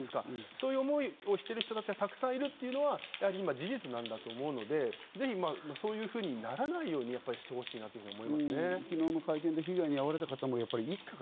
そういう思いをしている人がたくさんいるというのが事実なんだと思うのでそういうふうにならないようにしてほしいなと思いますね。